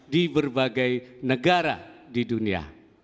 di berbagai negara di dunia